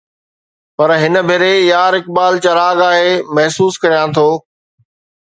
پر هن ڀيري يار اقبال چراغ آهي، محسوس ڪريان ٿو